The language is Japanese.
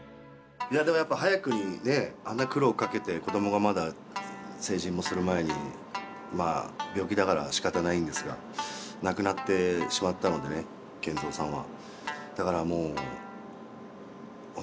いや、だからやっぱり早くにあんな苦労かけて子どもがまだ成人もする前に病気だから、しかたないんですが亡くなってしまったのでね賢三さんは。